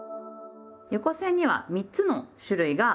横線には３つの種類があります。